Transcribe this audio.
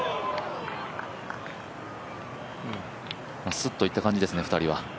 スッといった感じですね、２人は。